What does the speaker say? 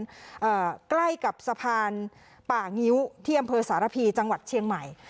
อ่าใกล้กับสะพานป่างิ้วที่อำเภอสารพีจังหวัดเชียงใหม่